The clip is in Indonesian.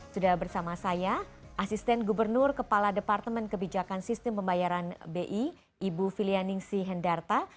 sudah bersama saya asisten gubernur kepala departemen kebijakan sistem pembayaran bi ibu filianingsi hendarta